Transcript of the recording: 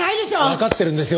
わかってるんですよ。